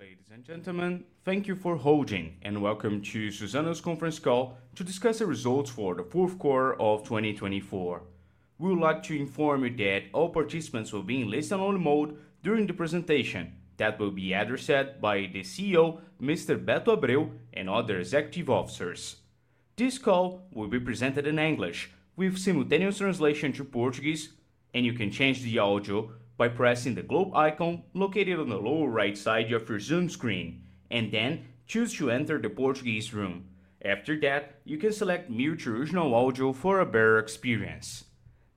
Ladies and gentlemen, thank you for holding, and welcome to Suzano's conference call to discuss the results for the Fourth Quarter of 2024. We would like to inform you that all participants will be in listen-only mode during the presentation that will be addressed by the CEO, Mr. Beto Abreu, and other executive officers. This call will be presented in English with simultaneous translation to Portuguese, and you can change the audio by pressing the globe icon located on the lower right side of your Zoom screen, and then choose to enter the Portuguese room. After that, you can select mute your original audio for a better experience.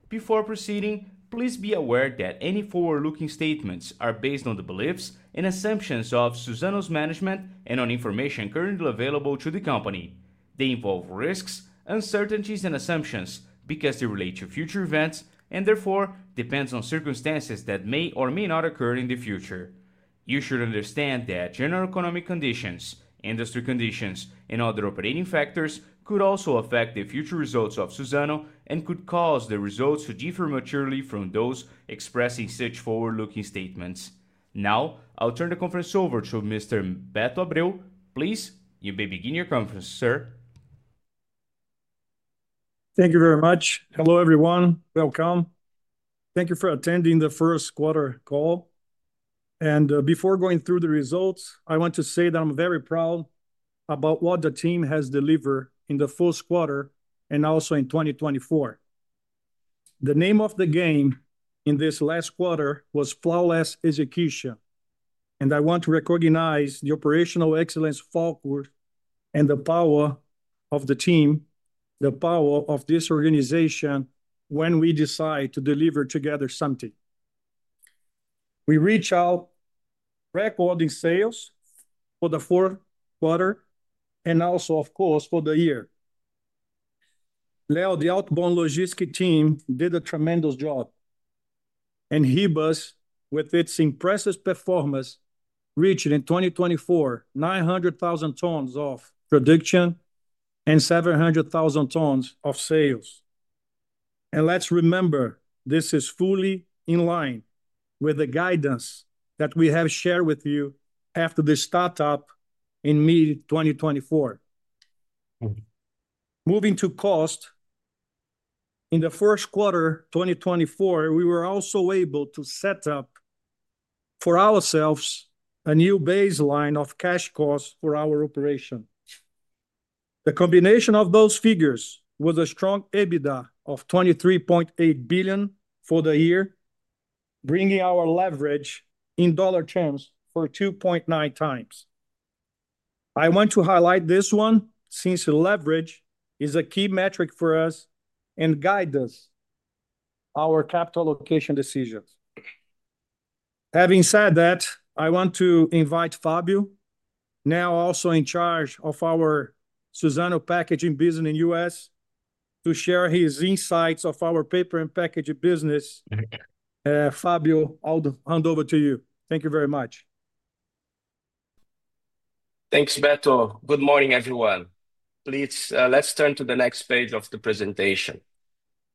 Before proceeding, please be aware that any forward-looking statements are based on the beliefs and assumptions of Suzano's management and on information currently available to the company. They involve risks, uncertainties, and assumptions because they relate to future events and, therefore, depend on circumstances that may or may not occur in the future. You should understand that general economic conditions, industry conditions, and other operating factors could also affect the future results of Suzano and could cause the results to differ materially from those expressing such forward-looking statements. Now, I'll turn the conference over to Mr. Beto Abreu. Please, you may begin your conference, sir. Thank you very much. Hello, everyone. Welcome. Thank you for attending the first quarter call. And before going through the results, I want to say that I'm very proud about what the team has delivered in the first quarter and also in 2024. The name of the game in this last quarter was flawless execution, and I want to recognize the operational excellence, footwork, and the power of the team, the power of this organization when we decide to deliver together something. We reached record sales for the fourth quarter and also, of course, for the year. Leo, the Outbound Logistics team, did a tremendous job, and Ribas, with its impressive performance, reached in 2024, 900,000 tons of production and 700,000 tons of sales. And let's remember, this is fully in line with the guidance that we have shared with you after the startup in mid-2024. Moving to cost, in the first quarter of 2024, we were also able to set up for ourselves a new baseline of cash costs for our operation. The combination of those figures was a strong EBITDA of 23.8 billion for the year, bringing our leverage in dollar terms to 2.9 times. I want to highlight this one since leverage is a key metric for us and guides us in our capital allocation decisions. Having said that, I want to invite Fábio, now also in charge of our Suzano Packaging business in U.S., to share his insights of our paper and packaging business. Fábio, I'll hand over to you. Thank you very much. Thanks, Beto. Good morning, everyone. Please, let's turn to the next page of the presentation.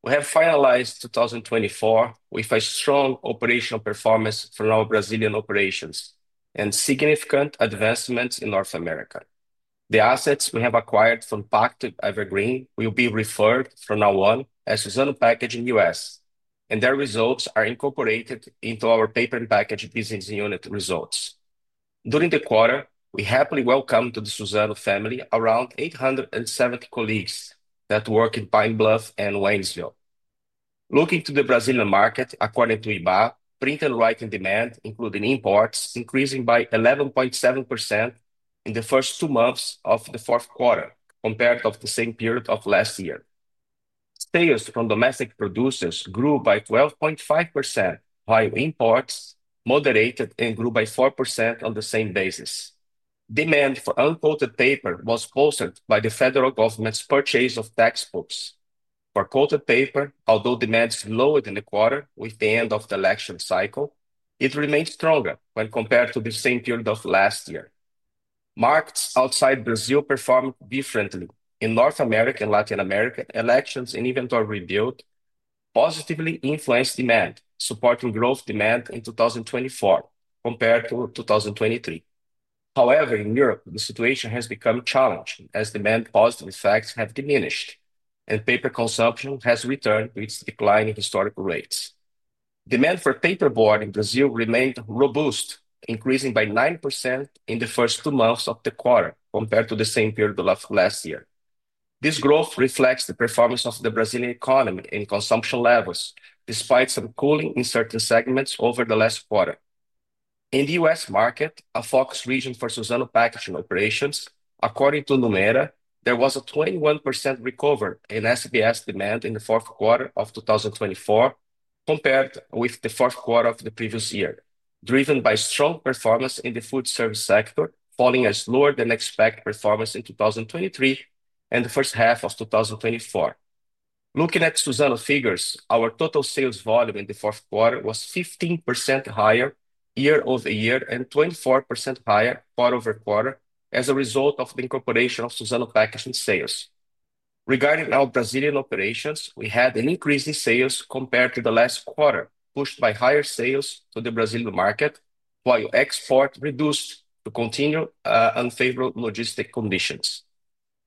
We have finalized 2024 with a strong operational performance for our Brazilian operations and significant advancements in North America. The assets we have acquired from Pactiv Evergreen will be referred from now on as Suzano Packaging US, and their results are incorporated into our paper and packaging business unit results. During the quarter, we happily welcomed to the Suzano family around 870 colleagues that work in Pine Bluff and Waynesville. Looking to the Brazilian market, according to Ibá, print and writing demand, including imports, increased by 11.7% in the first two months of the fourth quarter compared to the same period of last year. Sales from domestic producers grew by 12.5%, while imports moderated and grew by 4% on the same basis. Demand for uncoated paper was bolstered by the federal government's purchase of textbooks. For coated paper, although demand slowed in the quarter with the end of the election cycle, it remained stronger when compared to the same period of last year. Markets outside Brazil performed differently in North America and Latin America. Elections and inventory rebuilt positively influenced demand, supporting demand growth in 2024 compared to 2023. However, in Europe, the situation has become challenging as demand-positive effects have diminished, and paper consumption has returned to its declining historical rates. Demand for paperboard in Brazil remained robust, increasing by 9% in the first two months of the quarter compared to the same period of last year. This growth reflects the performance of the Brazilian economy and consumption levels, despite some cooling in certain segments over the last quarter. In the U.S. market, a focus region for Suzano Packaging operations, according to Numera, there was a 21% recovery in SBS demand in the fourth quarter of 2024 compared with the fourth quarter of the previous year, driven by strong performance in the food service sector, following a lower than expected performance in 2023 and the first half of 2024. Looking at Suzano figures, our total sales volume in the fourth quarter was 15% higher year-over-year and 24% higher quarter over quarter as a result of the incorporation of Suzano Packaging sales. Regarding our Brazilian operations, we had an increase in sales compared to the last quarter, pushed by higher sales to the Brazilian market, while exports reduced due to continued unfavorable logistics conditions.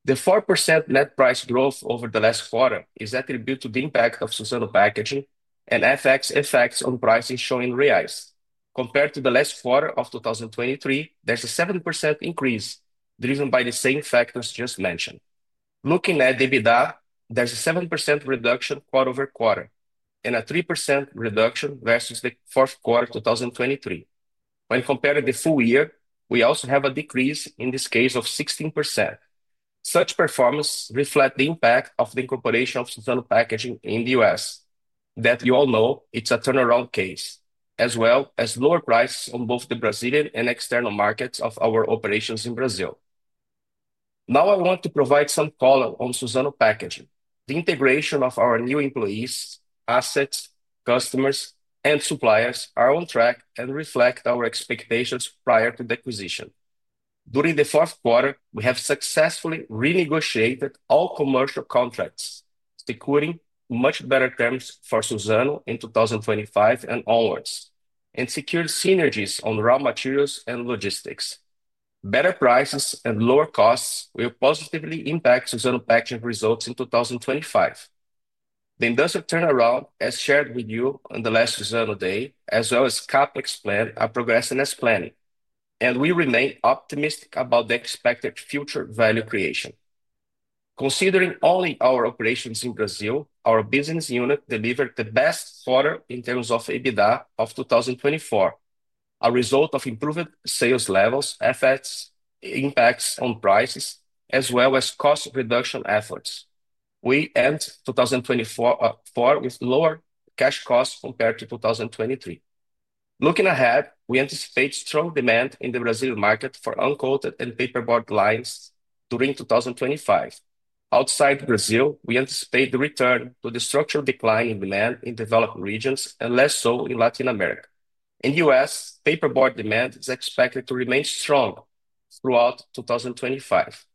The 4% net price growth over the last quarter is attributed to the impact of Suzano Packaging and the effects on pricing shown in Reais. Compared to the last quarter of 2023, there's a 7% increase driven by the same factors just mentioned. Looking at EBITDA, there's a 7% reduction quarter over quarter and a 3% reduction versus the fourth quarter of 2023. When compared to the full year, we also have a decrease in this case of 16%. Such performance reflects the impact of the incorporation of Suzano Packaging in the U.S., that you all know it's a turnaround case, as well as lower prices on both the Brazilian and external markets of our operations in Brazil. Now, I want to provide some follow-up on Suzano Packaging. The integration of our new employees, assets, customers, and suppliers are on track and reflect our expectations prior to the acquisition. During the fourth quarter, we have successfully renegotiated all commercial contracts, securing much better terms for Suzano in 2025 and onwards, and secured synergies on raw materials and logistics. Better prices and lower costs will positively impact Suzano Packaging results in 2025. The industrial turnaround, as shared with you on the last Suzano Day, as well as CapEx plan, are progressing as planned, and we remain optimistic about the expected future value creation. Considering only our operations in Brazil, our business unit delivered the best quarter in terms of EBITDA of 2024, a result of improved sales levels, effects, impacts on prices, as well as cost reduction efforts. We end 2024 with lower cash costs compared to 2023. Looking ahead, we anticipate strong demand in the Brazilian market for uncoated and paperboard lines during 2025. Outside Brazil, we anticipate the return to the structural decline in demand in developed regions and less so in Latin America. In the U.S., paperboard demand is expected to remain strong throughout 2025.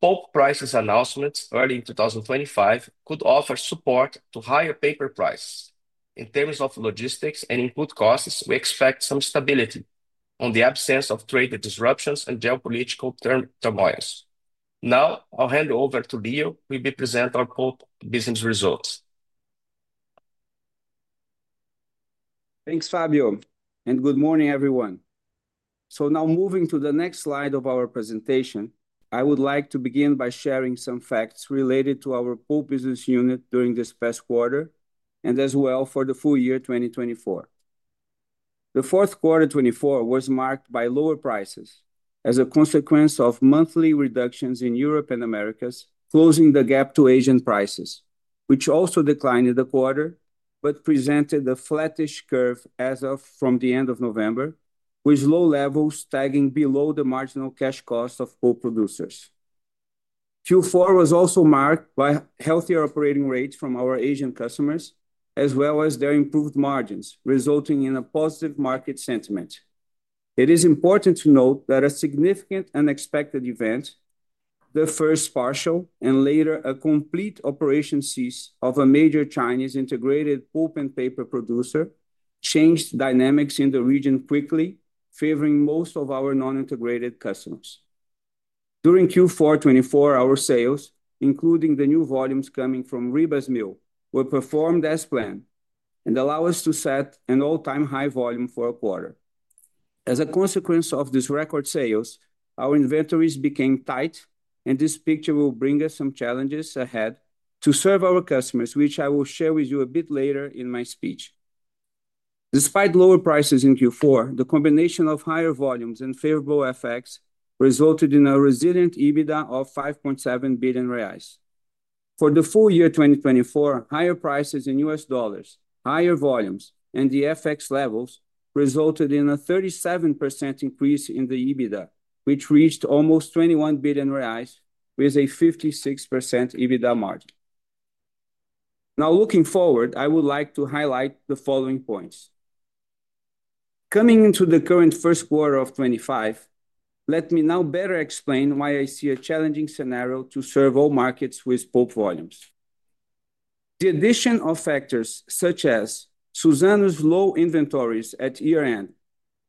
Pulp prices announcements early in 2025 could offer support to higher paper prices. In terms of logistics and input costs, we expect some stability in the absence of trade disruptions and geopolitical turmoils. Now, I'll hand over to Leo, who will present our pulp business results. Thanks, Fábio, and good morning, everyone. Now, moving to the next slide of our presentation, I would like to begin by sharing some facts related to our pulp business unit during this past quarter and as well for the full year 2024. The fourth quarter 2024 was marked by lower prices as a consequence of monthly reductions in Europe and Americas, closing the gap to Asian prices, which also declined in the quarter, but presented a flattish curve as from the end of November, with low levels lagging below the marginal cash cost of pulp producers. Q4 was also marked by healthier operating rates from our Asian customers, as well as their improved margins, resulting in a positive market sentiment. It is important to note that a significant unexpected event, the first partial and later a complete operations cease of a major Chinese integrated pulp and paper producer, changed dynamics in the region quickly, favoring most of our non-integrated customers. During Q4 2024, our sales, including the new volumes coming from Ribas Mill, were performed as planned and allowed us to set an all-time high volume for a quarter. As a consequence of these record sales, our inventories became tight, and this picture will bring us some challenges ahead to serve our customers, which I will share with you a bit later in my speech. Despite lower prices in Q4, the combination of higher volumes and favorable effects resulted in a resilient EBITDA of 5.7 billion reais. For the full year 2024, higher prices in US dollars, higher volumes, and the FX levels resulted in a 37% increase in the EBITDA, which reached almost 21 billion reais, with a 56% EBITDA margin. Now, looking forward, I would like to highlight the following points. Coming into the current first quarter of 2025, let me now better explain why I see a challenging scenario to serve all markets with pulp volumes. The addition of factors such as Suzano's low inventories at year-end,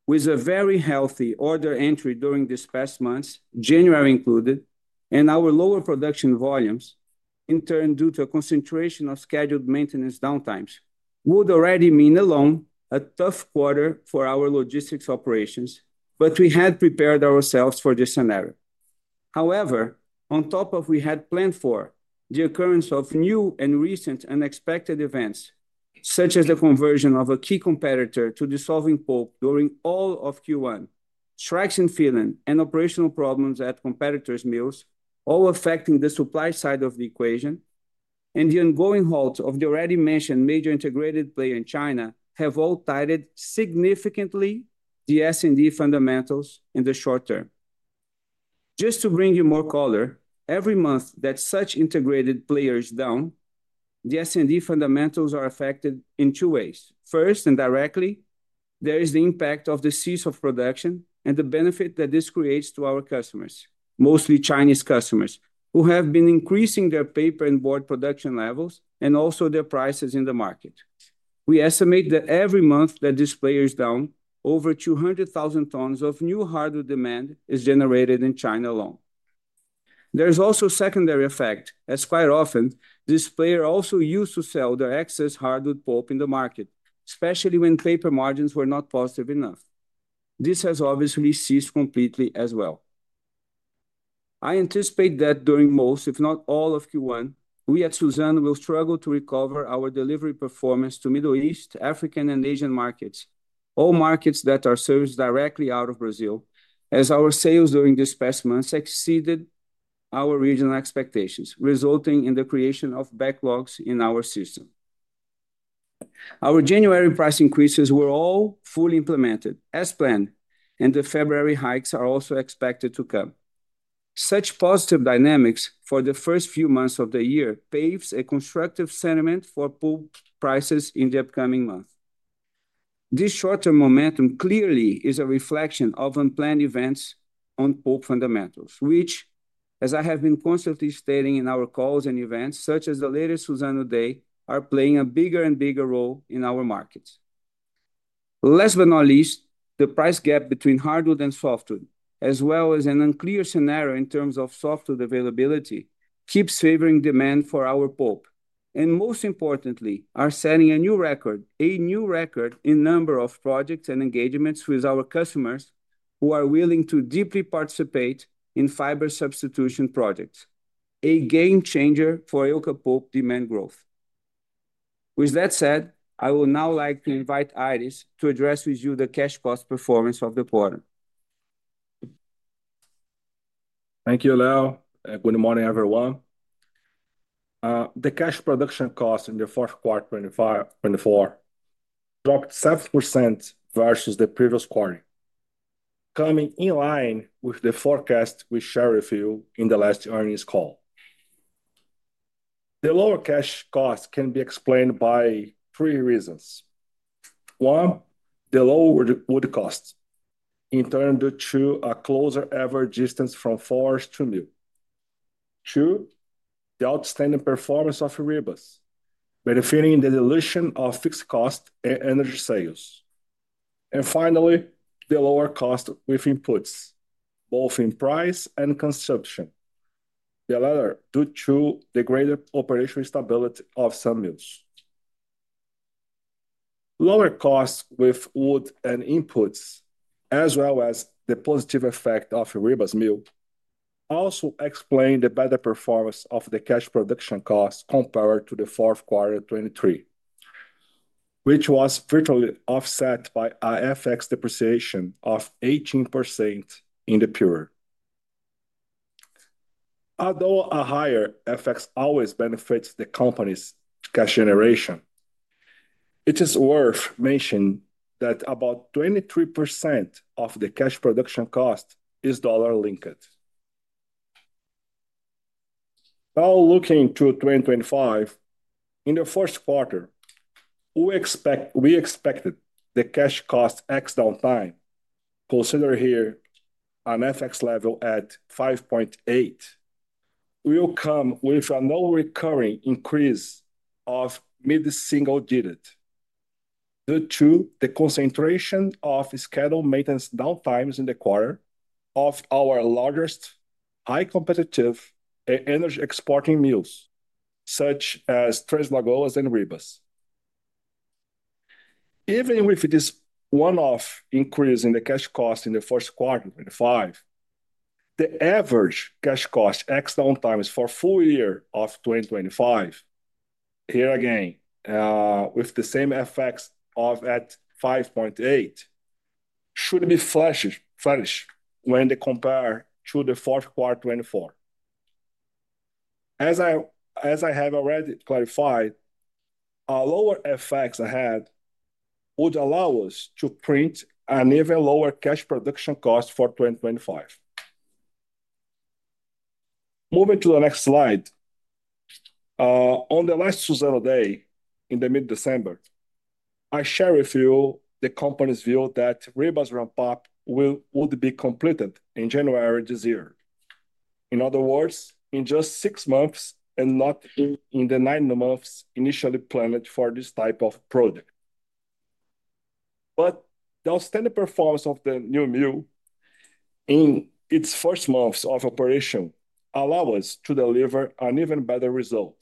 with a very healthy order entry during these past months, January included, and our lower production volumes, in turn, due to a concentration of scheduled maintenance downtimes, would already mean alone a tough quarter for our logistics operations, but we had prepared ourselves for this scenario. However, on top of what we had planned for, the occurrence of new and recent unexpected events, such as the conversion of a key competitor to dissolving pulp during all of Q1, strikes in Finland, and operational problems at competitors' mills, all affecting the supply side of the equation, and the ongoing halts of the already mentioned major integrated player in China have all tightened significantly the S&D fundamentals in the short term. Just to bring you more color, every month that such integrated players down, the S&D fundamentals are affected in two ways. First, and directly, there is the impact of the Cessation of production and the benefit that this creates to our customers, mostly Chinese customers, who have been increasing their paper and board production levels and also their prices in the market. We estimate that every month that this player is down, over 200,000 tons of new hardwood demand is generated in China alone. There is also a secondary effect, as quite often, this player also used to sell their excess hardwood pulp in the market, especially when paper margins were not positive enough. This has obviously ceased completely as well. I anticipate that during most, if not all of Q1, we at Suzano will struggle to recover our delivery performance to Middle East, African, and Asian markets, all markets that are serviced directly out of Brazil, as our sales during these past months exceeded our regional expectations, resulting in the creation of backlogs in our system. Our January price increases were all fully implemented, as planned, and the February hikes are also expected to come. Such positive dynamics for the first few months of the year paves a constructive sentiment for pulp prices in the upcoming month. This short-term momentum clearly is a reflection of unplanned events on pulp fundamentals, which, as I have been constantly stating in our calls and events, such as the latest Suzano Day, are playing a bigger and bigger role in our markets. Last but not least, the price gap between hardwood and softwood, as well as an unclear scenario in terms of softwood availability, keeps favoring demand for our pulp, and most importantly, are setting a new record, a new record in number of projects and engagements with our customers who are willing to deeply participate in fiber substitution projects, a game changer for euca pulp demand growth. With that said, I would now like to invite Aires to address with you the cash cost performance of the quarter. Thank you, Leo. Good morning, everyone. The cash production cost in the fourth quarter 2024 dropped 7% versus the previous quarter, coming in line with the forecast we shared with you in the last earnings call. The lower cash cost can be explained by three reasons. One, the lower wood cost, in turn due to a closer average distance from forest to mill. Two, the outstanding performance of Ribas, benefiting the dilution of fixed cost and energy sales. And finally, the lower cost with inputs, both in price and consumption, the latter due to the greater operational stability of some mills. Lower costs with wood and inputs, as well as the positive effect of Ribas Mill, also explain the better performance of the cash production cost compared to the fourth quarter 2023, which was virtually offset by a FX depreciation of 18% in the BRL. Although a higher FX always benefits the company's cash generation, it is worth mentioning that about 23% of the cash production cost is dollar-linked. Now, looking to 2025, in the first quarter, we expect the cash cost ex downtime, considering here an FX level at 5.8, will come with a non-recurring increase of mid-single digit due to the concentration of scheduled maintenance downtimes in the quarter of our largest high-competitive energy exporting mills, such as Três Lagoas and Ribas. Even with this one-off increase in the cash cost in the first quarter 2025, the average cash cost ex downtimes for the full year of 2025, here again, with the same FX at 5.8, should be flattish when they compare to the fourth quarter 2024. As I have already clarified, a lower FX ahead would allow us to print an even lower cash production cost for 2025. Moving to the next slide, on the last Suzano Day in mid-December, I shared with you the company's view that Ribas ramp-up would be completed in January this year. In other words, in just six months and not in the nine months initially planned for this type of project. But the outstanding performance of the new mill in its first months of operation allows us to deliver an even better result,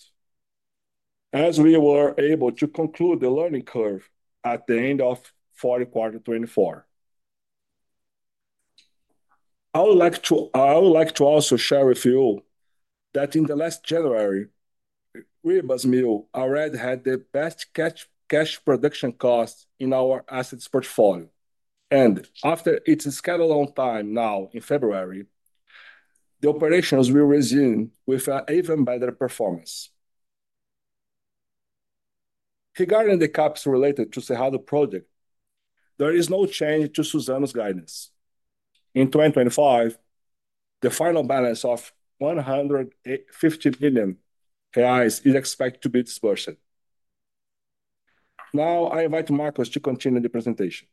as we were able to conclude the learning curve at the end of fourth quarter 2024. I would like to also share with you that in late January, Ribas Mill already had the best cash cost in our assets portfolio, and after its scheduled downtime now in February, the operations will resume with an even better performance. Regarding the CapEx related to Cerrado Project, there is no change to Suzano's guidance. In 2025, the final balance of 150 million reais is expected to be disbursed. Now, I invite Marcos to continue the presentation.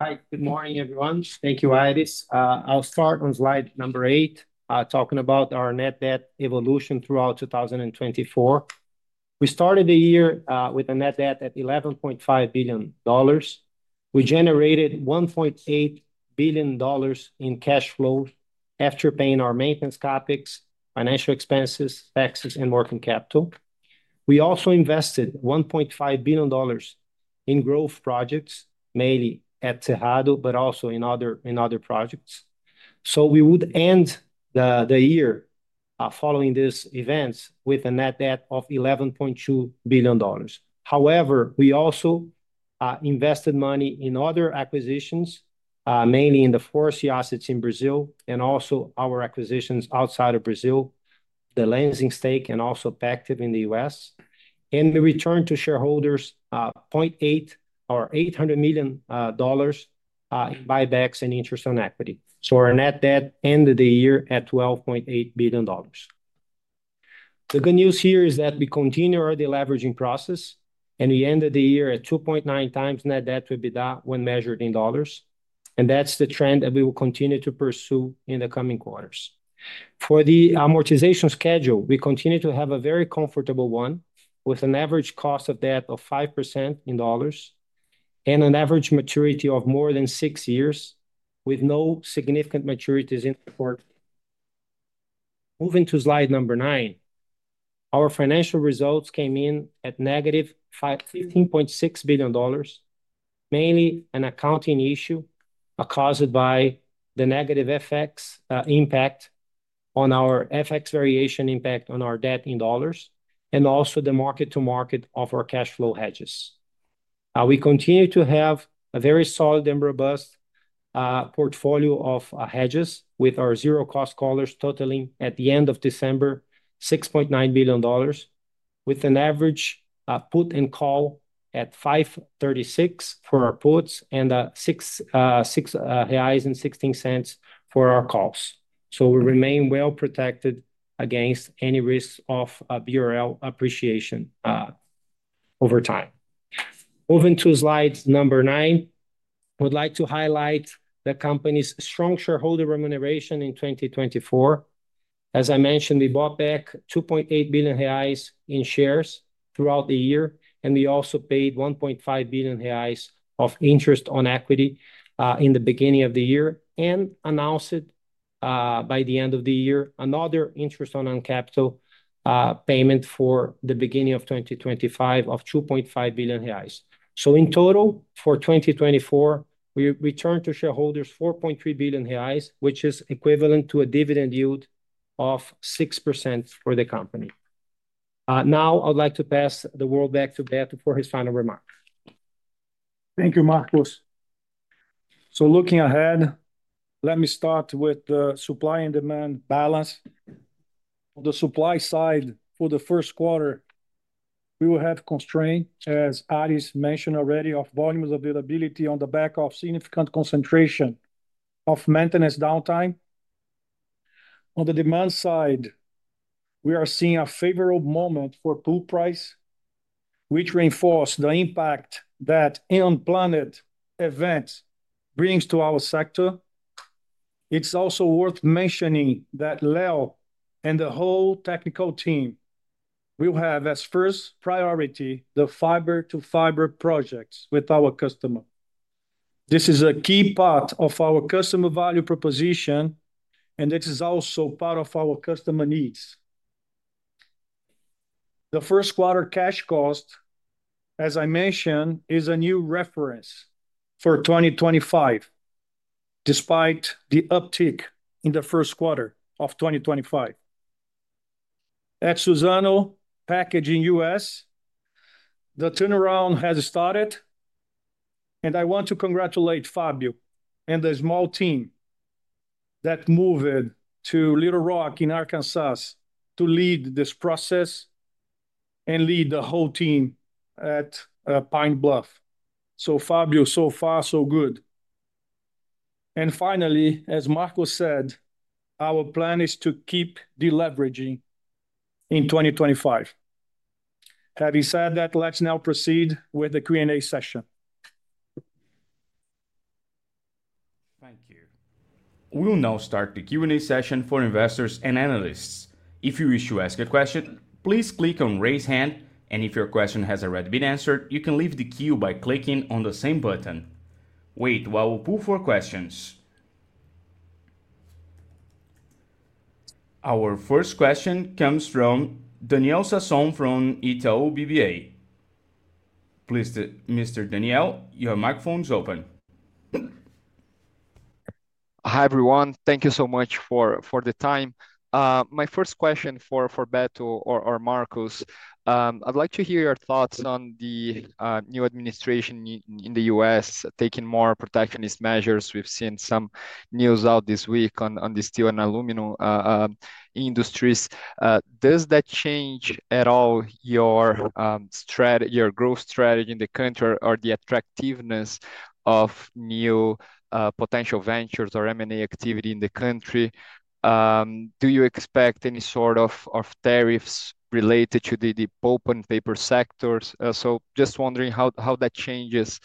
Hi, good morning, everyone. Thank you, Aires. I'll start on slide number eight, talking about our net debt evolution throughout 2024. We started the year with a net debt at $11.5 billion. We generated $1.8 billion in cash flow after paying our maintenance CapEx, financial expenses, taxes, and working capital. We also invested $1.5 billion in growth projects, mainly at Cerrado, but also in other projects. So we would end the year following these events with a net debt of $11.2 billion. However, we also invested money in other acquisitions, mainly in the forestry assets in Brazil and also our acquisitions outside of Brazil, the Lenzing AG, and also Pactiv in the U.S., and we returned to shareholders $0.8 or $800 million in buybacks and interest on own capital. So our net debt ended the year at $12.8 billion. The good news here is that we continue the deleveraging process, and we ended the year at 2.9 times net debt-to-EBITDA when measured in dollars, and that's the trend that we will continue to pursue in the coming quarters. For the amortization schedule, we continue to have a very comfortable one with an average cost of debt of 5% in dollars and an average maturity of more than six years with no significant maturities in the quarter. Moving to slide number nine, our financial results came in at -$15.6 billion, mainly an accounting issue caused by the negative FX impact on our FX variation impact on our debt in dollars and also the mark-to-market of our cash flow hedges. We continue to have a very solid and robust portfolio of hedges with our zero-cost collars totaling at the end of December $6.9 billion, with an average put and call at 5.36 for our puts and 6.16 for our calls. So we remain well protected against any risks of BRL appreciation over time. Moving to slide number nine, I would like to highlight the company's strong shareholder remuneration in 2024. As I mentioned, we bought back $2.8 billion in shares throughout the year, and we also paid $1.5 billion of interest on own capital in the beginning of the year and announced by the end of the year another interest on own capital payment for the beginning of 2025 of $2.5 billion. So in total, for 2024, we returned to shareholders $4.3 billion, which is equivalent to a dividend yield of 6% for the company. Now, I would like to pass the word back to Beto for his final remarks. Thank you, Marcos. So looking ahead, let me start with the supply and demand balance. On the supply side for the first quarter, we will have constraints, as Aires mentioned already, of volumes availability on the back of significant concentration of maintenance downtime. On the demand side, we are seeing a favorable moment for pulp price, which reinforces the impact that unplanned events bring to our sector. It's also worth mentioning that Leo and the whole technical team will have as first priority the fiber-to-fiber projects with our customer. This is a key part of our customer value proposition, and this is also part of our customer needs. The first quarter cash cost, as I mentioned, is a new reference for 2025, despite the uptick in the first quarter of 2025. At Suzano Packaging U.S., the turnaround has started, and I want to congratulate Fábio and the small team that moved to Little Rock in Arkansas to lead this process and lead the whole team at Pine Bluff. So Fábio, so far, so good. And finally, as Marcos said, our plan is to keep deleveraging in 2025. Having said that, let's now proceed with the Q&A session. Thank you. We'll now start the Q&A session for investors and analysts. If you wish to ask a question, please click on "Raise Hand," and if your question has already been answered, you can leave the queue by clicking on the same button. Wait while we pull for questions. Our first question comes from Daniel Sasson from Itaú BBA. Please, Mr. Daniel, your microphone is open. Hi, everyone. Thank you so much for the time. My first question for Beto or Marcos, I'd like to hear your thoughts on the new administration in the U.S. taking more protectionist measures. We've seen some news out this week on steel and aluminum industries. Does that change at all your growth strategy in the country or the attractiveness of new potential ventures or M&A activity in the country? Do you expect any sort of tariffs related to the pulp and paper sectors? So just wondering how that changes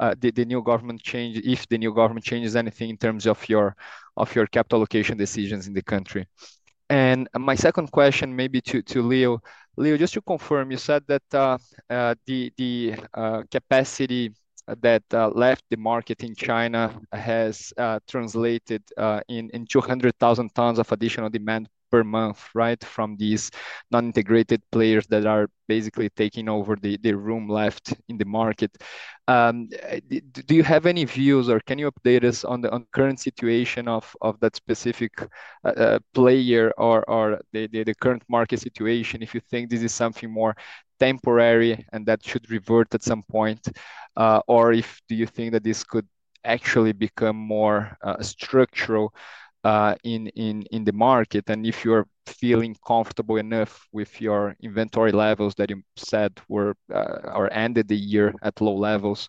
with the new government, if the new government changes anything in terms of your capital allocation decisions in the country. And my second question maybe to Leo. Leo, just to confirm, you said that the capacity that left the market in China has translated in 200,000 tons of additional demand per month, right, from these non-integrated players that are basically taking over the room left in the market. Do you have any views or can you update us on the current situation of that specific player or the current market situation if you think this is something more temporary and that should revert at some point? Or do you think that this could actually become more structural in the market? And if you're feeling comfortable enough with your inventory levels that you said were or ended the year at low levels,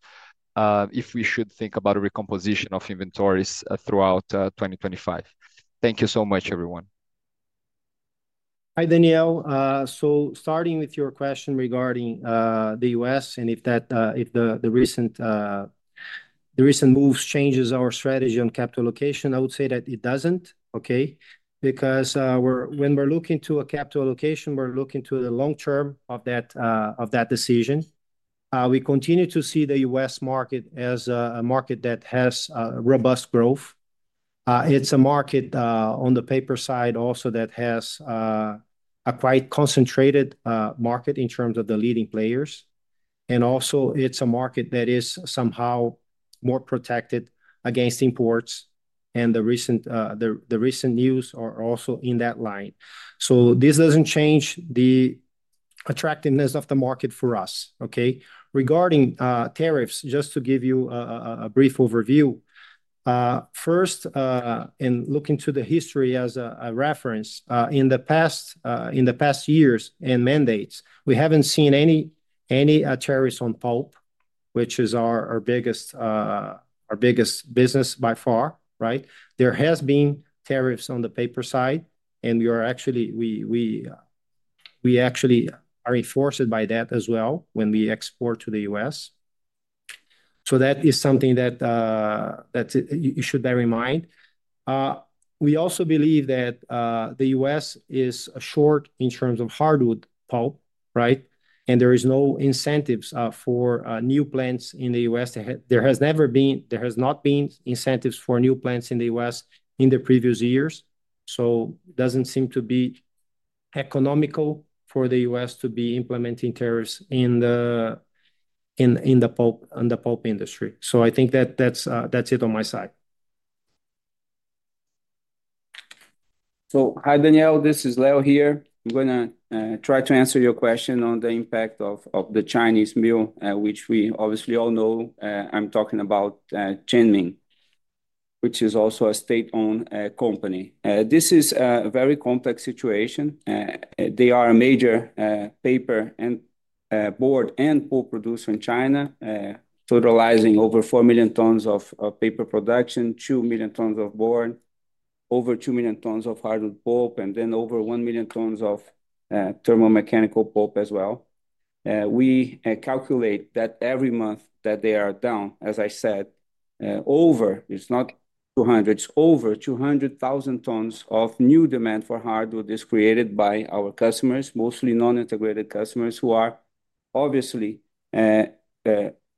if we should think about a recomposition of inventories throughout 2025? Thank you so much, everyone. Hi, Daniel. So starting with your question regarding the U.S. and if the recent moves change our strategy on capital allocation, I would say that it doesn't, okay? Because when we're looking to a capital allocation, we're looking to the long term of that decision. We continue to see the U.S. market as a market that has robust growth. It's a market on the paper side also that has a quite concentrated market in terms of the leading players. And also, it's a market that is somehow more protected against imports. And the recent news are also in that line. So this doesn't change the attractiveness of the market for us, okay? Regarding tariffs, just to give you a brief overview, first, and looking to the history as a reference, in the past years and mandates, we haven't seen any tariffs on pulp, which is our biggest business by far, right? There have been tariffs on the paper side, and we actually are enforced by that as well when we export to the U.S. So that is something that you should bear in mind. We also believe that the U.S. is short in terms of hardwood pulp, right? And there are no incentives for new plants in the U.S. There has not been incentives for new plants in the U.S. in the previous years. So it doesn't seem to be economical for the U.S. to be implementing tariffs in the pulp industry. So I think that that's it on my side. Hi, Daniel. This is Leo here. I'm going to try to answer your question on the impact of the Chinese mill, which we obviously all know. I'm talking about Chenming, which is also a state-owned company. This is a very complex situation. They are a major paper and board and pulp producer in China, totalizing over 4 million tons of paper production, 2 million tons of board, over 2 million tons of hardwood pulp, and then over 1 million tons of thermomechanical pulp as well. We calculate that every month that they are down, as I said, over 200,000 tons of new demand for hardwood is created by our customers, mostly non-integrated customers, who are obviously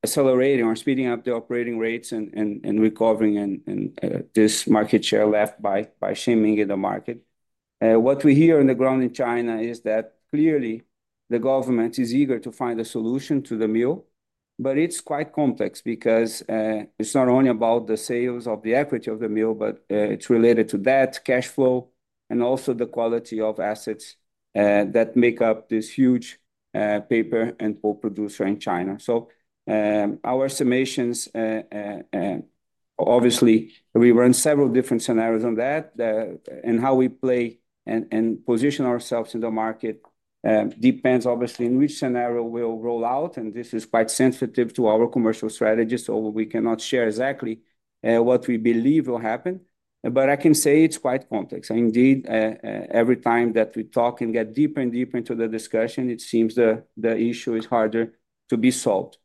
accelerating or speeding up the operating rates and recovering this market share left by Chenming in the market. What we hear on the ground in China is that clearly the government is eager to find a solution to the mill, but it's quite complex because it's not only about the sales of the equity of the mill, but it's related to that cash flow and also the quality of assets that make up this huge paper and pulp producer in China. So our estimations, obviously, we run several different scenarios on that, and how we play and position ourselves in the market depends obviously on which scenario will roll out, and this is quite sensitive to our commercial strategy, so we cannot share exactly what we believe will happen. But I can say it's quite complex. Indeed, every time that we talk and get deeper and deeper into the discussion, it seems the issue is harder to be solved.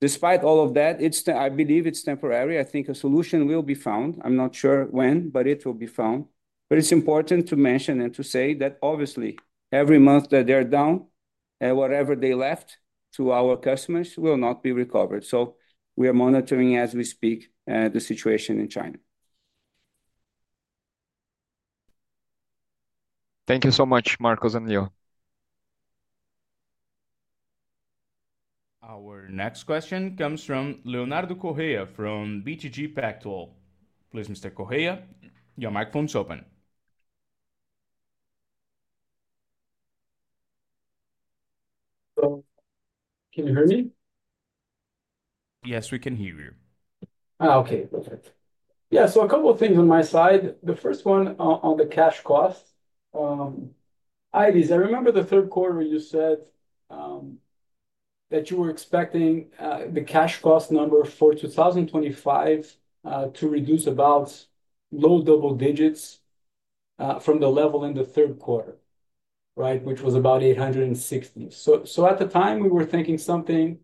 Despite all of that, I believe it's temporary. I think a solution will be found. I'm not sure when, but it will be found. But it's important to mention and to say that obviously, every month that they're down, whatever they left to our customers will not be recovered. So we are monitoring as we speak the situation in China. Thank you so much, Marcos and Leo. Our next question comes from Leonardo Correa from BTG Pactual. Please, Mr. Correa, your microphone is open. Can you hear me? Yes, we can hear you. Okay. Perfect. Yeah, so a couple of things on my side. The first one on the cash cost. Aires, I remember the third quarter you said that you were expecting the cash cost number for 2025 to reduce about low double digits from the level in the third quarter, right, which was about $860. So at the time, we were thinking something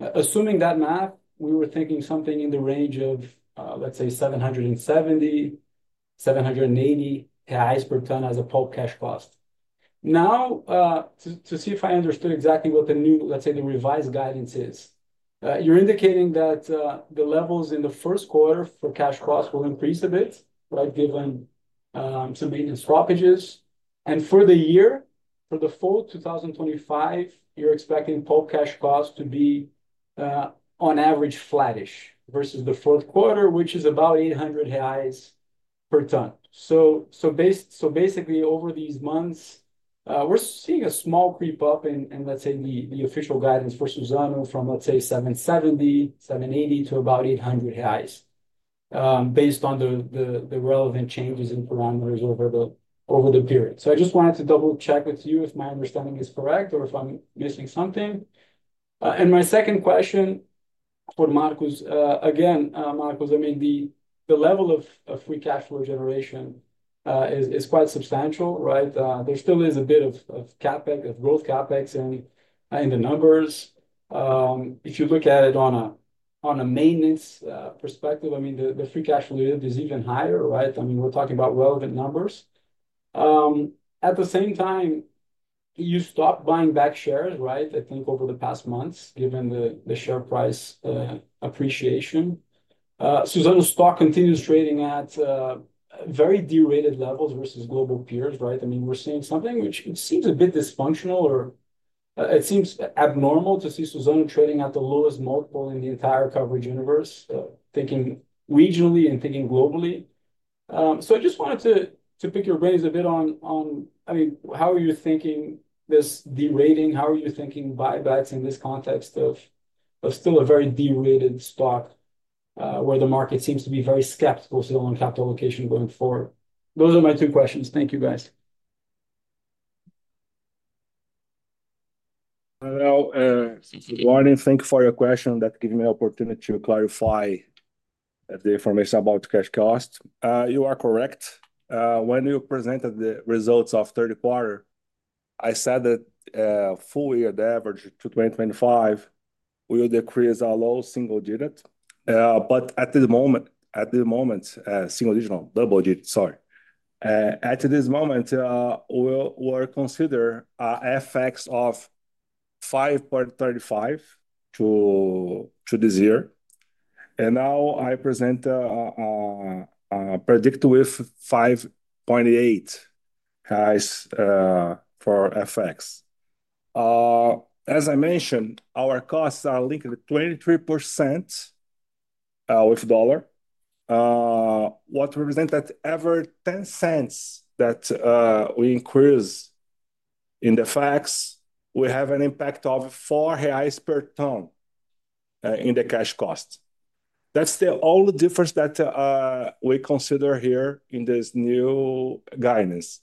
assuming that math, we were thinking something in the range of, let's say, 770, 780 per ton as a pulp cash cost. Now, to see if I understood exactly what the new, let's say, the revised guidance is, you're indicating that the levels in the first quarter for cash cost will increase a bit, right, given some maintenance downtimes. And for the year, for the full 2025, you're expecting pulp cash cost to be on average flattish versus the fourth quarter, which is about $800 per ton. So basically, over these months, we're seeing a small creep up in, let's say, the official guidance for Suzano from, let's say, 770, 780 to about 800 based on the relevant changes in parameters over the period. So I just wanted to double-check with you if my understanding is correct or if I'm missing something. And my second question for Marcos, again, Marcos, I mean, the level of free cash flow generation is quite substantial, right? There still is a bit of CapEx, of growth CapEx in the numbers. If you look at it on a maintenance perspective, I mean, the free cash flow is even higher, right? I mean, we're talking about relevant numbers. At the same time, you stopped buying back shares, right? I think over the past months, given the share price appreciation, Suzano's stock continues trading at very derated levels versus global peers, right? I mean, we're seeing something which seems a bit dysfunctional or it seems abnormal to see Suzano trading at the lowest multiple in the entire coverage universe, thinking regionally and thinking globally. So I just wanted to pick your brains a bit on, I mean, how are you thinking this derating? How are you thinking buybacks in this context of still a very derated stock where the market seems to be very skeptical still on capital allocation going forward? Those are my two questions. Thank you, guys. Leo, good morning. Thank you for your question that gives me an opportunity to clarify the information about cash cost. You are correct. When you presented the results of third quarter, I said that full year the average to 2025 will decrease a low single digit. But at this moment, single digit, double digit, sorry. At this moment, we'll consider an FX of 5.35 to this year. And now I present a projection with 5.8 for FX. As I mentioned, our costs are linked with 23% with dollar. What represents that every 10 cents that we increase in the FX, we have an impact of four per ton in the cash cost. That's all the difference that we consider here in this new guidance.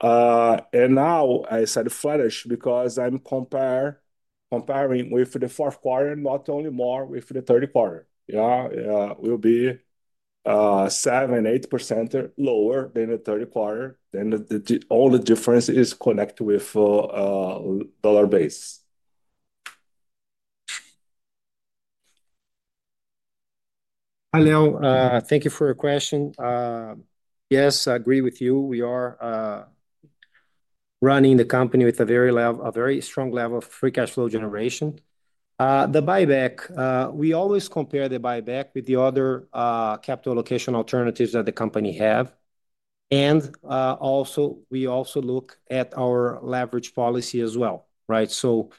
And now I said flattish because I'm comparing with the fourth quarter, not only more with the third quarter. Yeah, it will be 7%-8% lower than the third quarter. Then the only difference is connected with dollar base. Hi, Leo. Thank you for your question. Yes, I agree with you. We are running the company with a very strong level of free cash flow generation. The buyback, we always compare the buyback with the other capital allocation alternatives that the company have. And also, we also look at our leverage policy as well, right? So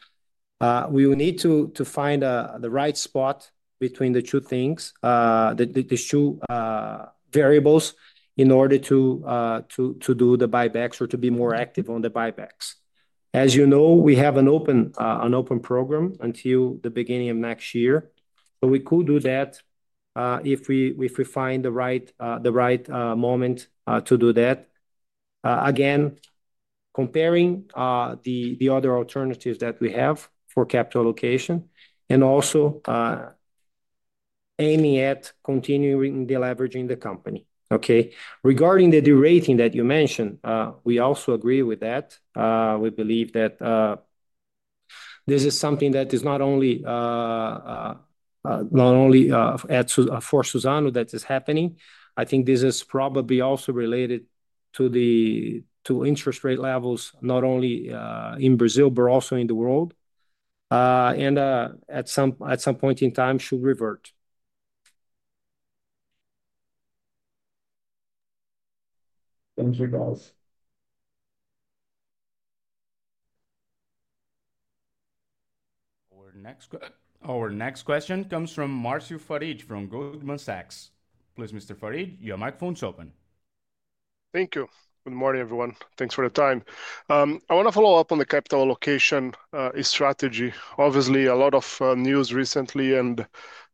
we will need to find the right spot between the two things, the two variables in order to do the buybacks or to be more active on the buybacks. As you know, we have an open program until the beginning of next year. So we could do that if we find the right moment to do that. Again, comparing the other alternatives that we have for capital allocation and also aiming at continuing the leverage in the company, okay? Regarding the derating that you mentioned, we also agree with that. We believe that this is something that is not only for Suzano that is happening. I think this is probably also related to interest rate levels, not only in Brazil, but also in the world, and at some point in time, should revert. Thank you, guys. Our next question comes from Marcio Farid from Goldman Sachs. Please, Mr. Farid, your microphone is open. Thank you. Good morning, everyone. Thanks for the time. I want to follow up on the capital allocation strategy. Obviously, a lot of news recently, and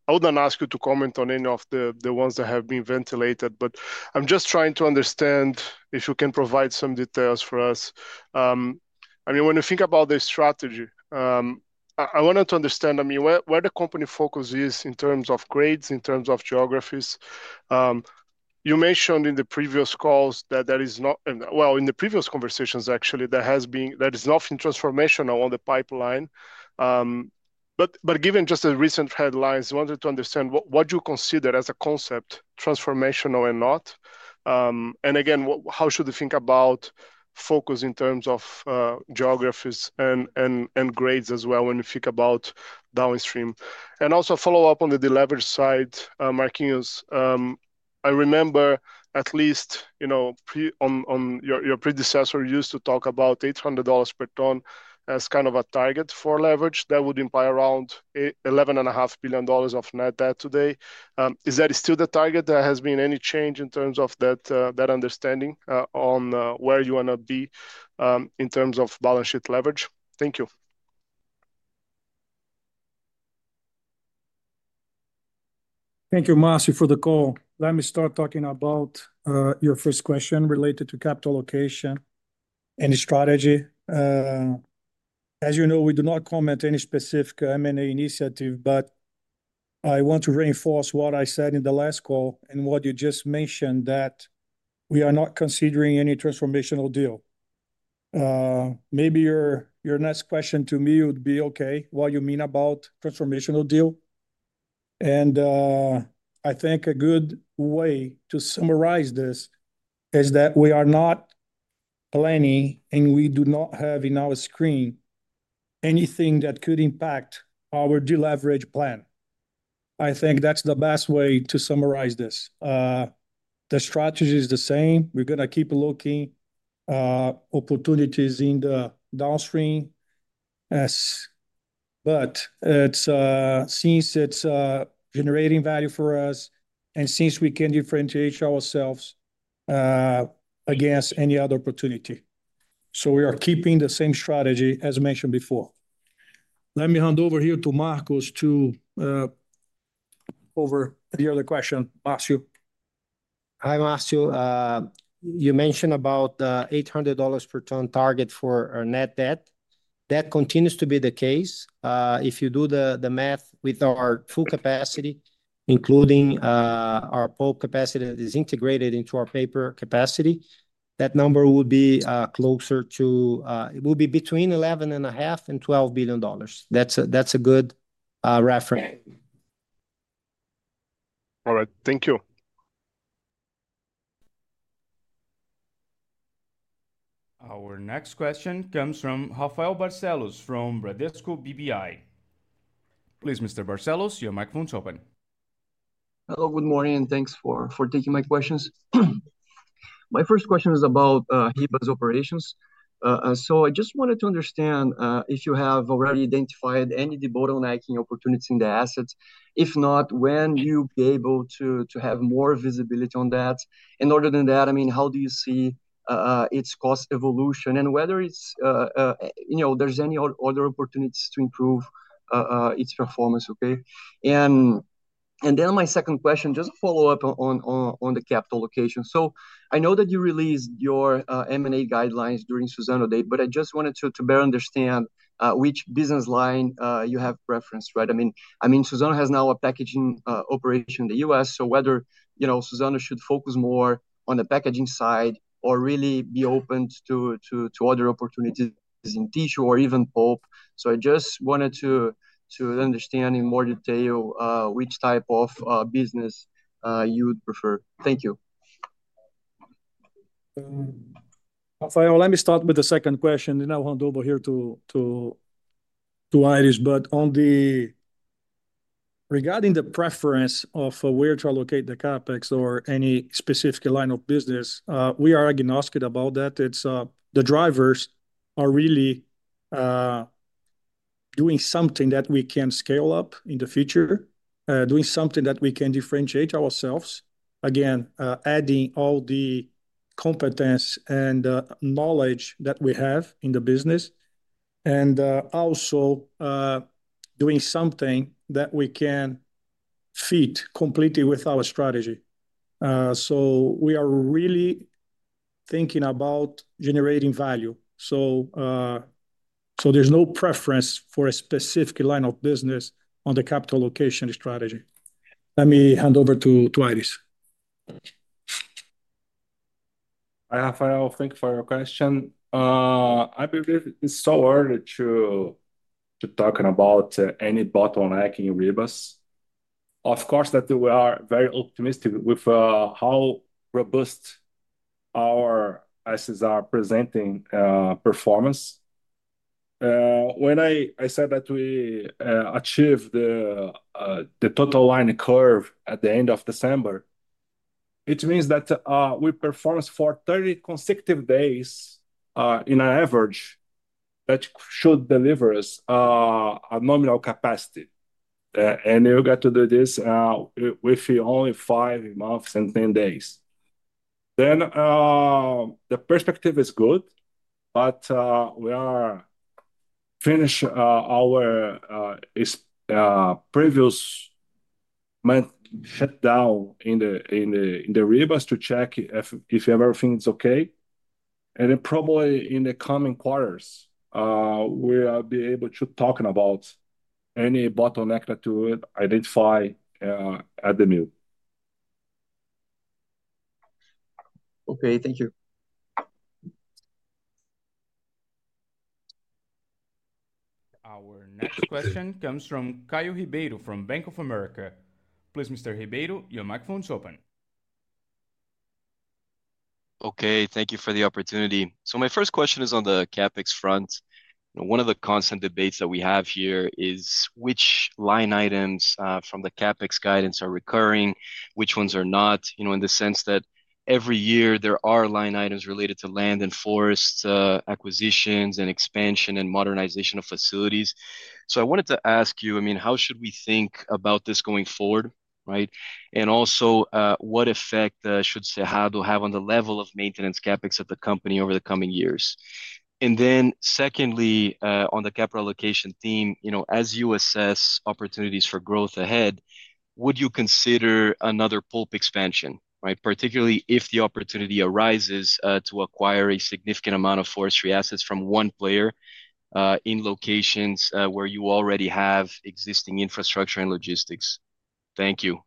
I wouldn't ask you to comment on any of the ones that have been ventilated, but I'm just trying to understand if you can provide some details for us. I mean, when you think about the strategy, I wanted to understand, I mean, where the company focus is in terms of grades, in terms of geographies. You mentioned in the previous calls that there is not, well, in the previous conversations, actually, there has been nothing transformational on the pipeline. But given just the recent headlines, I wanted to understand what you consider as a concept, transformational or not. And again, how should we think about focus in terms of geographies and grades as well when we think about downstream? Also follow up on the deleveraging side, Marquinhos. I remember at least your predecessor used to talk about $800 per ton as kind of a target for leverage. That would imply around $11.5 billion of net debt today. Is that still the target? Has there been any change in terms of that understanding on where you want to be in terms of balance sheet leverage? Thank you. Thank you, Marcio, for the call. Let me start talking about your first question related to capital allocation, any strategy. As you know, we do not comment on any specific M&A initiative, but I want to reinforce what I said in the last call and what you just mentioned, that we are not considering any transformational deal. Maybe your next question to me would be, okay, what you mean about transformational deal, and I think a good way to summarize this is that we are not planning, and we do not have in our screen anything that could impact our deleverage plan. I think that's the best way to summarize this. The strategy is the same. We're going to keep looking for opportunities in the downstream, but since it's generating value for us and since we can differentiate ourselves against any other opportunity. So we are keeping the same strategy as mentioned before. Let me hand over here to Marcos to cover the other question, Marcio. Hi, Marcio. You mentioned about the $800 per ton target for our net debt. That continues to be the case. If you do the math with our full capacity, including our pulp capacity that is integrated into our paper capacity, that number will be closer to $11.5 billion. It will be between $11.5 billion and $12 billion. That's a good reference. All right. Thank you. Our next question comes from Rafael Barcellos from Bradesco BBI. Please, Mr. Barcellos, your microphone is open. Hello, good morning, and thanks for taking my questions. My first question is about Ribas's operations. So I just wanted to understand if you have already identified any debottlenecking opportunities in the assets. If not, when you'll be able to have more visibility on that? Other than that, I mean, how do you see its cost evolution and whether there's any other opportunities to improve its performance, okay? And then my second question, just a follow-up on the capital allocation. So I know that you released your M&A guidelines during Suzano Day, but I just wanted to better understand which business line you have preference, right? I mean, Suzano has now a packaging operation in the U.S., so whether Suzano should focus more on the packaging side or really be open to other opportunities in tissue or even pulp. So I just wanted to understand in more detail which type of business you'd prefer. Thank you. Rafael, let me start with the second question, and I'll hand over here to Aires, but regarding the preference of where to allocate the CapEx or any specific line of business, we are agnostic about that. The drivers are really doing something that we can scale up in the future, doing something that we can differentiate ourselves, again, adding all the competence and knowledge that we have in the business, and also doing something that we can fit completely with our strategy, so we are really thinking about generating value, so there's no preference for a specific line of business on the capital allocation strategy. Let me hand over to Aires. Hi, Rafael. Thank you for your question. I believe it's too early to talk about any debottlenecking in Ribas. Of course, we are very optimistic with how robust our assets are presenting performance. When I said that we achieved the total line curve at the end of December, it means that we performed for 30 consecutive days on an average that should deliver us a nominal capacity. And we got to do this with only five months and 10 days. The perspective is good, but we finished our previous shutdown in Ribas to check if everything's okay. And then probably in the coming quarters, we'll be able to talk about any bottleneck that we identify at the mill. Okay, thank you. Our next question comes from Caio Ribeiro from Bank of America. Please, Mr. Ribeiro, your microphone is open. Okay, thank you for the opportunity. So my first question is on the CapEx front. One of the constant debates that we have here is which line items from the CapEx guidance are recurring, which ones are not, in the sense that every year there are line items related to land and forest acquisitions and expansion and modernization of facilities. So I wanted to ask you, I mean, how should we think about this going forward, right? And also, what effect should Cerrado have on the level of maintenance CapEx at the company over the coming years? And then secondly, on the capital allocation theme, as you assess opportunities for growth ahead, would you consider another pulp expansion, right? Particularly if the opportunity arises to acquire a significant amount of forestry assets from one player in locations where you already have existing infrastructure and logistics. Thank you.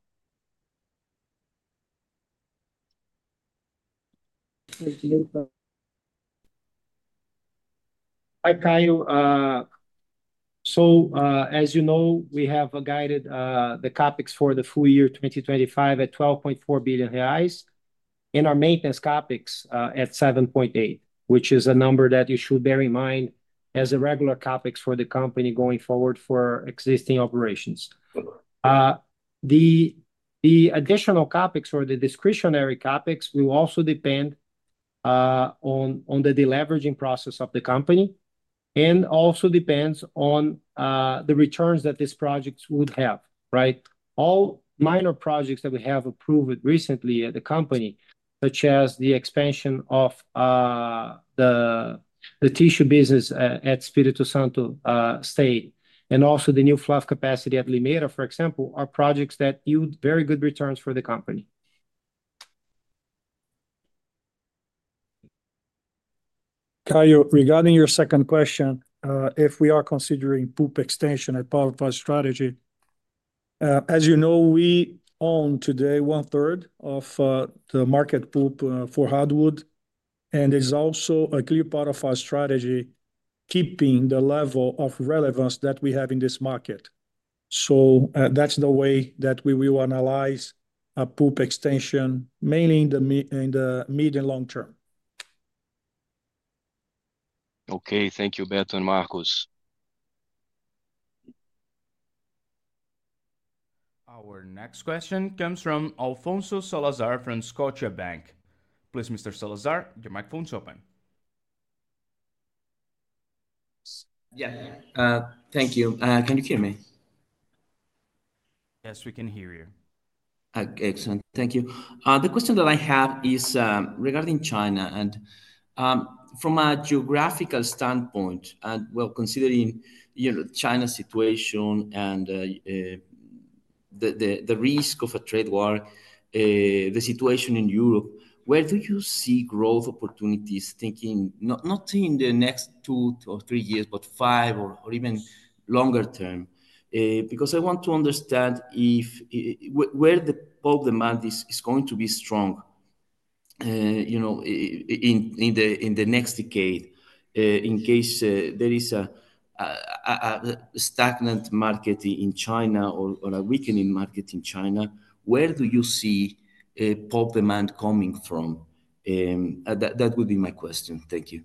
Hi, Caio. So as you know, we have guided the CapEx for the full year 2025 at 12.4 billion reais and our maintenance CapEx at 7.8 billion, which is a number that you should bear in mind as a regular CapEx for the company going forward for existing operations. The additional CapEx or the discretionary CapEx will also depend on the deleveraging process of the company and also depends on the returns that these projects would have, right? All minor projects that we have approved recently at the company, such as the expansion of the tissue business at Espírito Santo State and also the new fluff capacity at Limeira, for example, are projects that yield very good returns for the company. Caio, regarding your second question, if we are considering pulp expansion as part of our strategy, as you know, we own today one-third of the market pulp for hardwood, and it's also a clear part of our strategy keeping the level of relevance that we have in this market. So that's the way that we will analyze pulp expansion, mainly in the mid and long term. Okay, thank you, Beto and Marcos. Our next question comes from Alfonso Salazar from Scotiabank. Please, Mr. Salazar, your microphone is open. Yeah, thank you. Can you hear me? Yes, we can hear you. Excellent. Thank you. The question that I have is regarding China, and from a geographical standpoint, well, considering China's situation and the risk of a trade war, the situation in Europe, where do you see growth opportunities, thinking not in the next two or three years, but five or even longer term? Because I want to understand where the pulp demand is going to be strong in the next decade. In case there is a stagnant market in China or a weakening market in China, where do you see pulp demand coming from? That would be my question. Thank you.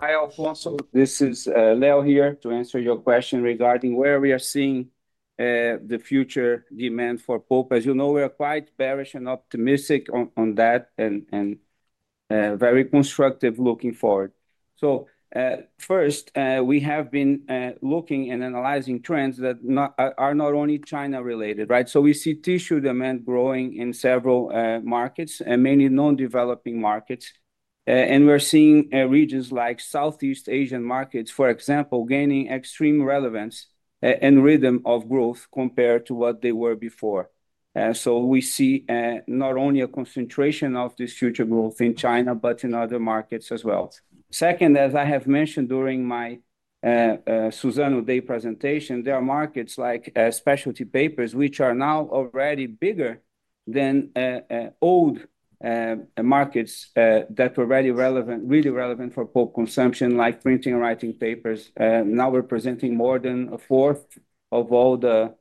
Hi, Alfonso. This is Leo here to answer your question regarding where we are seeing the future demand for pulp. As you know, we are quite bearish and optimistic on that and very constructive looking forward. First, we have been looking and analyzing trends that are not only China-related, right? We see tissue demand growing in several markets, mainly non-developing markets. We're seeing regions like Southeast Asian markets, for example, gaining extreme relevance and rhythm of growth compared to what they were before. We see not only a concentration of this future growth in China, but in other markets as well. Second, as I have mentioned during my Suzano Day presentation, there are markets like specialty papers, which are now already bigger than old markets that were really relevant for pulp consumption, like printing and writing papers. Now we're presenting more than a fourth of all the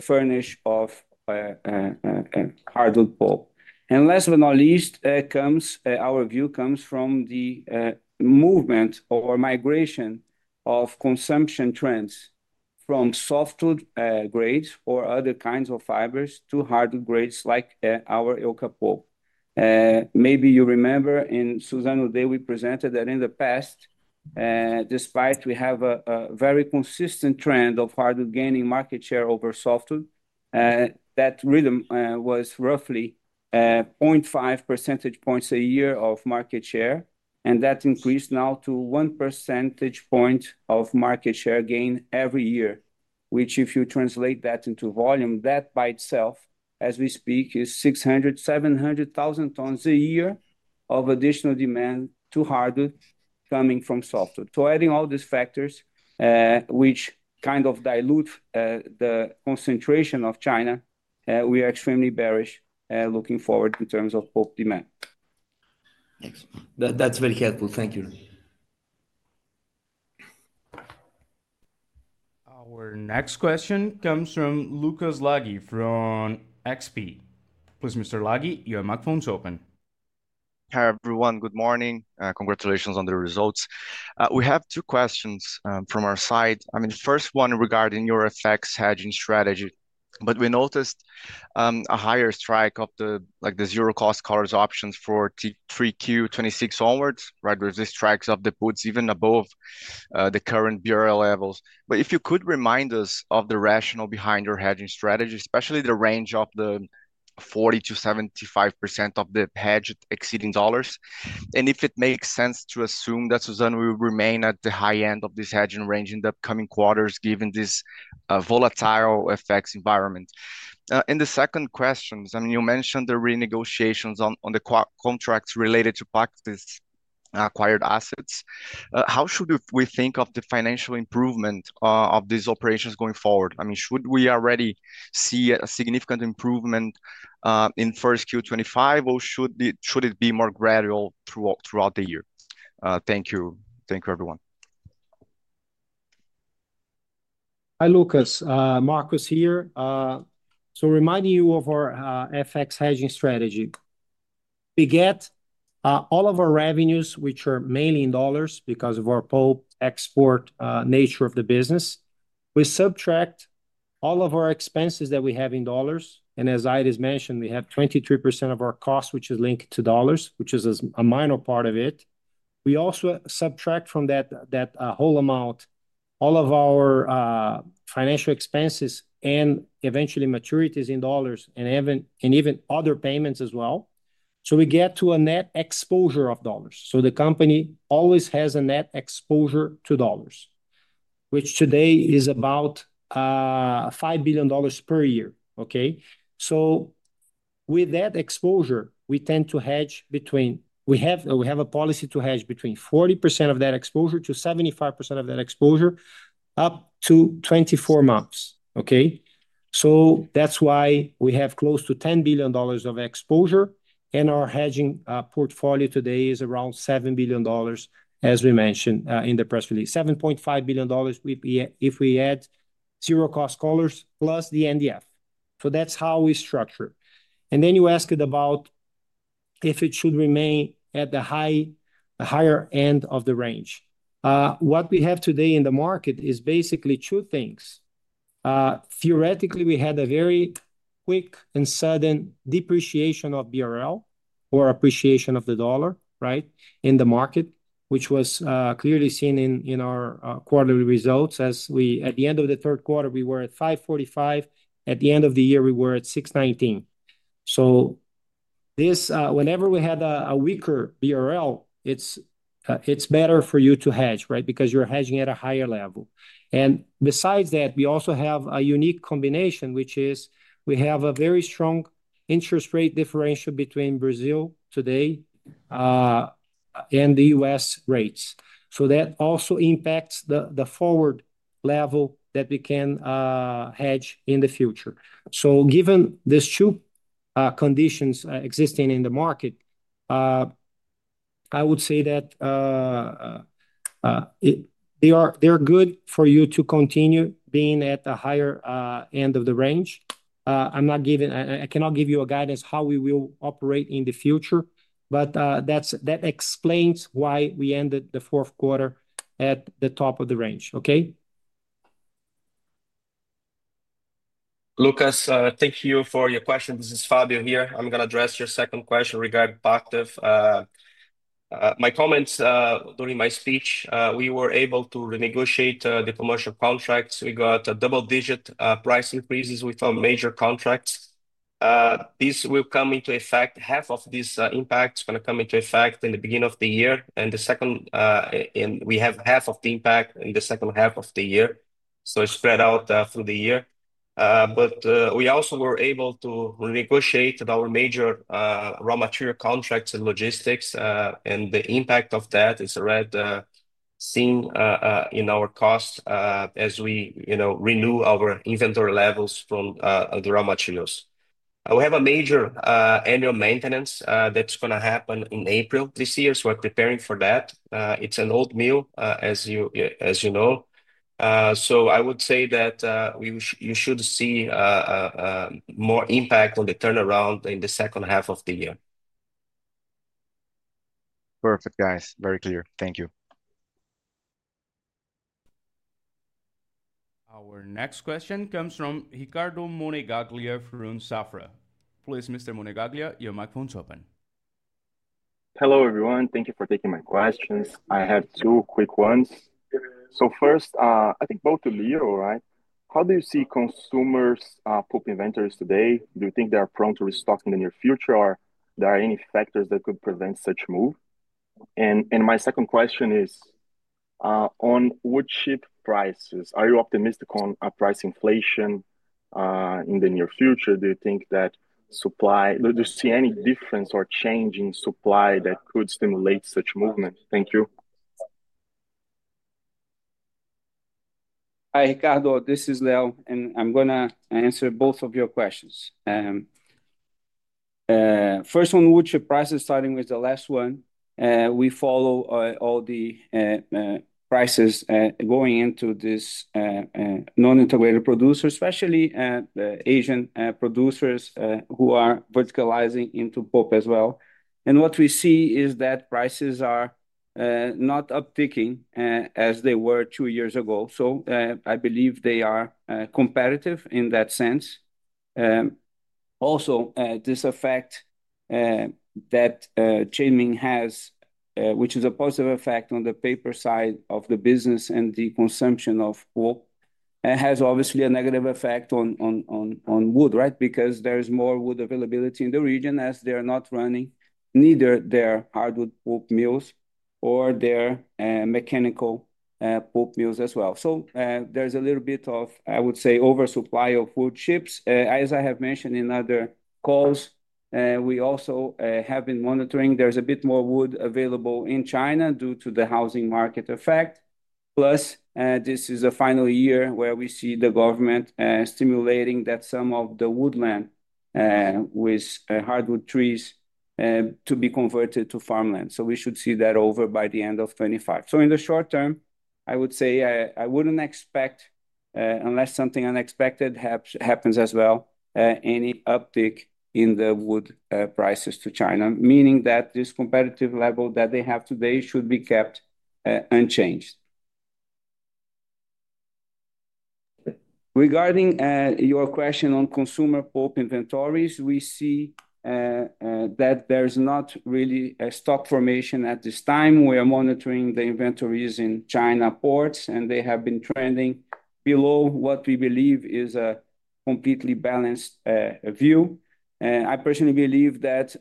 furnish of hardwood pulp. Last but not least, our view comes from the movement or migration of consumption trends from softwood grades or other kinds of fibers to hardwood grades like our euca pulp. Maybe you remember in Suzano Day, we presented that in the past, despite we have a very consistent trend of hardwood gaining market share over softwood, that rhythm was roughly 0.5 percentage points a year of market share. That increased now to one percentage point of market share gain every year, which if you translate that into volume, that by itself, as we speak, is 600,000-700,000 tons a year of additional demand to hardwood coming from softwood. Adding all these factors, which kind of dilute the concentration of China, we are extremely bullish looking forward in terms of pulp demand. Thanks. That's very helpful. Thank you. Our next question comes from Lucas Laghi from XP. Please, Mr. Laghi, your microphone is open. Hi everyone. Good morning. Congratulations on the results. We have two questions from our side. I mean, the first one regarding your FX hedging strategy, but we noticed a higher strike of the zero-cost collars options for 3Q26 onwards, right? There's this strike of the puts even above the current BRL levels. But if you could remind us of the rationale behind your hedging strategy, especially the range of the 40%-75% of the hedged exposure dollars, and if it makes sense to assume that Suzano will remain at the high end of this hedging range in the upcoming quarters, given this volatile FX environment. And the second questions, I mean, you mentioned the renegotiations on the contracts related to Pactiv acquired assets. How should we think of the financial improvement of these operations going forward? I mean, should we already see a significant improvement in first Q25, or should it be more gradual throughout the year? Thank you. Thank you, everyone. Hi, Lucas. Marcos here. Reminding you of our FX hedging strategy. We get all of our revenues, which are mainly in dollars because of our pulp export nature of the business. We subtract all of our expenses that we have in dollars. And as Aires mentioned, we have 23% of our costs, which is linked to dollars, which is a minor part of it. We also subtract from that whole amount all of our financial expenses and eventually maturities in dollars and even other payments as well. So we get to a net exposure of dollars. So the company always has a net exposure to dollars, which today is about $5 billion per year, okay? So with that exposure, we have a policy to hedge between 40% of that exposure to 75% of that exposure up to 24 months, okay? So that's why we have close to $10 billion of exposure, and our hedging portfolio today is around $7 billion, as we mentioned in the press release. $7.5 billion if we add zero-cost collars plus the NDF. So that's how we structure. And then you asked about if it should remain at the higher end of the range. What we have today in the market is basically two things. Theoretically, we had a very quick and sudden depreciation of BRL or appreciation of the dollar, right, in the market, which was clearly seen in our quarterly results. As we, at the end of the third quarter, we were at 545. At the end of the year, we were at 619. So whenever we had a weaker BRL, it's better for you to hedge, right, because you're hedging at a higher level. And besides that, we also have a unique combination, which is we have a very strong interest rate differential between Brazil today and the US rates. So that also impacts the forward level that we can hedge in the future. So given these two conditions existing in the market, I would say that they are good for you to continue being at the higher end of the range. I cannot give you a guidance how we will operate in the future, but that explains why we ended the fourth quarter at the top of the range, okay? Lucas, thank you for your question. This is Fábio here. I'm going to address your second question regarding Pactiv. My comments during my speech, we were able to renegotiate the commercial contracts. We got double-digit price increases with major contracts. This will come into effect. Half of this impact is going to come into effect in the beginning of the year, and the second, we have half of the impact in the second half of the year, so it's spread out through the year, but we also were able to renegotiate our major raw material contracts and logistics, and the impact of that is a reduction in our costs as we renew our inventory levels from the raw materials. We have a major annual maintenance that's going to happen in April this year. So we're preparing for that. It's an old mill, as you know. So I would say that you should see more impact on the turnaround in the second half of the year. Perfect, guys. Very clear. Thank you. Our next question comes from Ricardo Monegaglia from Safra. Please, Mr. Monegaglia, your microphone is open. Hello everyone. Thank you for taking my questions. I have two quick ones. So first, I think both to Leo, right? How do you see consumers' pulp inventories today? Do you think they are prone to restock in the near future, or are there any factors that could prevent such a move? And my second question is, on woodchip prices, are you optimistic on price inflation in the near future? Do you see any difference or change in supply that could stimulate such movement? Thank you. Hi, Ricardo. This is Leo, and I'm going to answer both of your questions. First, on woodchip prices, starting with the last one, we follow all the prices going into this non-integrated producer, especially Asian producers who are verticalizing into pulp as well. And what we see is that prices are not upticking as they were two years ago. So I believe they are competitive in that sense. Also, this effect that Chenming has, which is a positive effect on the paper side of the business and the consumption of pulp, has obviously a negative effect on wood, right? Because there is more wood availability in the region as they are not running neither their hardwood pulp mills or their mechanical pulp mills as well. So there's a little bit of, I would say, oversupply of woodchips. As I have mentioned in other calls, we also have been monitoring. There's a bit more wood available in China due to the housing market effect. Plus, this is a final year where we see the government stimulating that some of the woodland with hardwood trees to be converted to farmland. So we should see that over by the end of 2025. So in the short term, I would say I wouldn't expect, unless something unexpected happens as well, any uptick in the wood prices to China, meaning that this competitive level that they have today should be kept unchanged. Regarding your question on consumer pulp inventories, we see that there's not really a stock formation at this time. We are monitoring the inventories in China ports, and they have been trending below what we believe is a completely balanced view. I personally believe that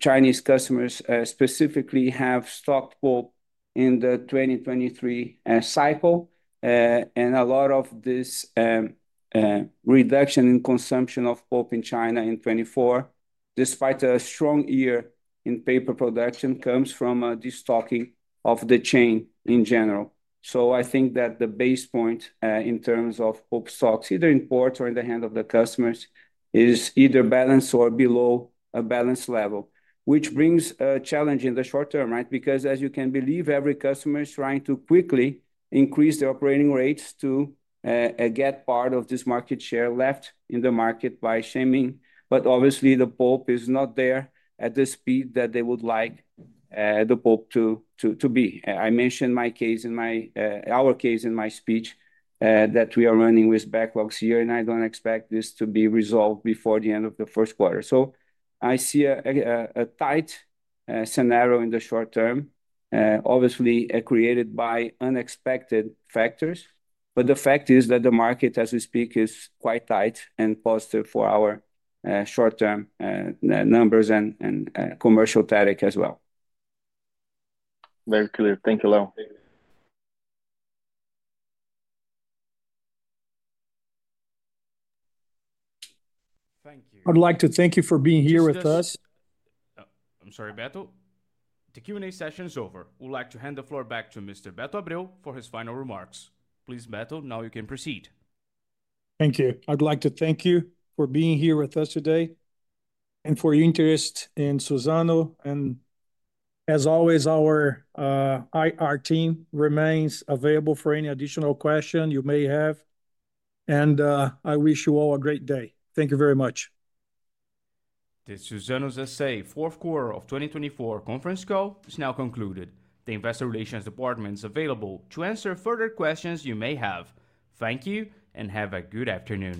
Chinese customers specifically have stocked pulp in the 2023 cycle. A lot of this reduction in consumption of pulp in China in 2024, despite a strong year in paper production, comes from destocking of the chain in general. So I think that the base point in terms of pulp stocks, either in ports or in the hand of the customers, is either balanced or below a balanced level, which brings a challenge in the short term, right? Because as you can believe, every customer is trying to quickly increase their operating rates to get part of this market share left in the market by Chenming. But obviously, the pulp is not there at the speed that they would like the pulp to be. I mentioned in our case in my speech that we are running with backlogs here, and I don't expect this to be resolved before the end of the first quarter. So I see a tight scenario in the short term, obviously created by unexpected factors. But the fact is that the market, as we speak, is quite tight and positive for our short-term numbers and commercial tactics as well. Very clear. Thank you, Leo. Thank you. I'd like to thank you for being here with us. I'm sorry, Beto. The Q&A session is over. We'd like to hand the floor back to Mr. Beto Abreu for his final remarks. Please, Beto, now you can proceed. Thank you. I'd like to thank you for being here with us today and for your interest in Suzano, and as always, our team remains available for any additional questions you may have, and I wish you all a great day. Thank you very much. Suzano S.A.'s Fourth Quarter of 2024 Conference Call is now concluded. The Investor Relations Department is available to answer further questions you may have. Thank you and have a good afternoon.